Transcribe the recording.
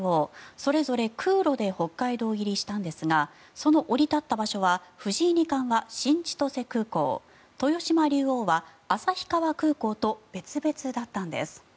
それぞれ空路で北海道入りしたんですがその降り立った場所は藤井二冠は新千歳空港豊島竜王は旭川空港と別々だったんです。